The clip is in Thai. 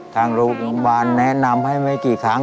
ทางโรงพยาบาลแนะนำให้ไม่กี่ครั้ง